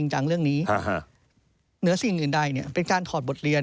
เหนือสิ่งอื่นใดเป็นการถอดบทเรียน